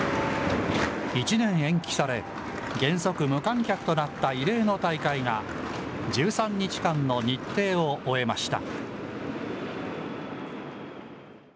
１年延期され、原則無観客となった異例の大会が、１３日間の日程を終えました。